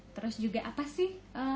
terus juga apa sih